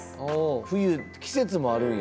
冬季節もあるんや。